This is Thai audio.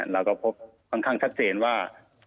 เราก็พบค่อนข้างชัดเจนว่า